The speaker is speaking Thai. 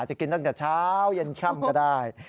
จะกินตั้งแต่เช้าเย็นค่ำก็ได้